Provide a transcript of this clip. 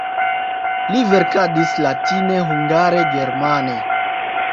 Li verkadis latine, hungare, germane.